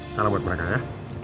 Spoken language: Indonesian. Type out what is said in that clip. salam buat mereka ya